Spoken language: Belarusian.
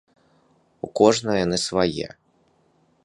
У кожнага яны свае.